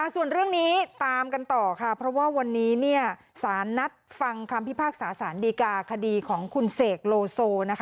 ส่วนเรื่องนี้ตามกันต่อค่ะเพราะว่าวันนี้สารนัดฟังคำพิพากษาสารดีกาคดีของคุณเสกโลโซ